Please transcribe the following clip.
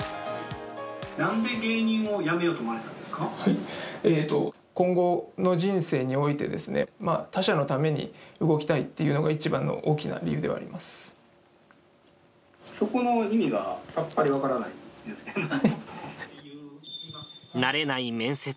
なんで芸人を辞めようと思わえっと、今後の人生においてですね、他者のために動きたいっていうのが一番の大きな理由ではそこの意味がさっぱり分から慣れない面接。